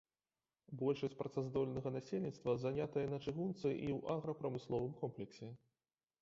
Большасць працаздольнага насельніцтва занятая на чыгунцы і ў аграпрамысловым комплексе.